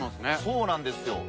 そうなんですよ。